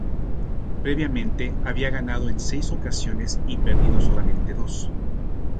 Previamente, había ganado en seis ocasiones y perdido solamente dos.